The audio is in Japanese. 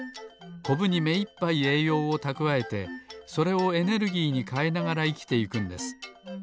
コブにめいっぱいえいようをたくわえてそれをエネルギーにかえながらいきていくんです。